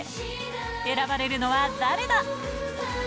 選ばれるのは誰だ？